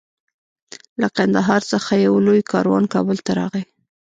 له قندهار څخه یو لوی کاروان کابل ته راغی.